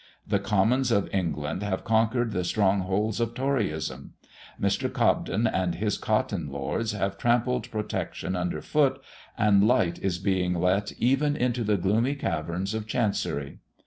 The Commons of England have conquered the strongholds of Toryism; Mr. Cobden and his Cotton Lords have trampled Protection under foot, and light is being let even into the gloomy caverns of Chancery.